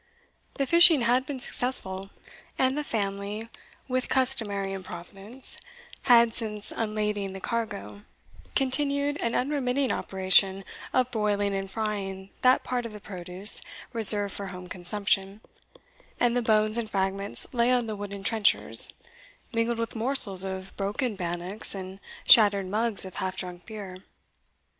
The fishing had been successful, and the family, with customary improvidence, had, since unlading the cargo, continued an unremitting operation of broiling and frying that part of the produce reserved for home consumption, and the bones and fragments lay on the wooden trenchers, mingled with morsels of broken bannocks and shattered mugs of half drunk beer.